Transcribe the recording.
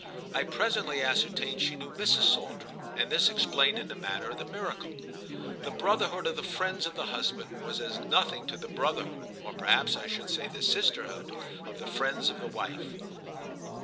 I presently ascertained she knew Mrs. Saltram, and this explained in a manner the miracle. The brotherhood of the friends of the husband was as nothing to the brotherhood, or perhaps I should say the sisterhood, of the friends of the wife.